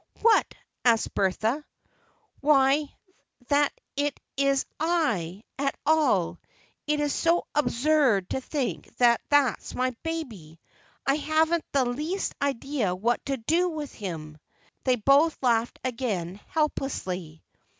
"What?" asked Bertha. "Why, that it is I, at all. It's so absurd to think that that's my baby! I haven't the least idea what to do with him." They both laughed again, helplessly.